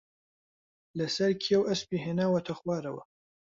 لەسەر کێو ئەسپی ھێناوەتە خوارەوە